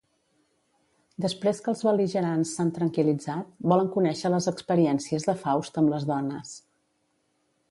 Després que els bel·ligerants s'han tranquil·litzat, volen conèixer les experiències de Faust amb les dones.